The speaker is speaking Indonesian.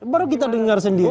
baru kita dengar sendiri